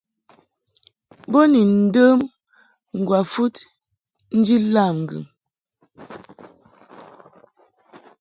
Bo ni ndəm ŋgwafɨd nji lam ŋgɨŋ.